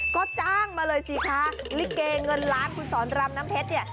ก็จ้างมาเลยสิคะลิเกเงินล้านคุณสอนรำน้ำเพชรเนี่ย